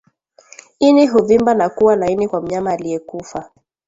Ini huvimba na kuwa laini kwa mnyama aliyekufa